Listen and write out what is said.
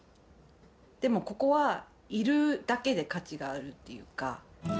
でもここは、いるだけで価値があるっていうか。